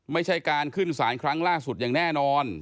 ไม่ใช่การขึ้นสารครั้งล่าสุดอย่างแน่นอน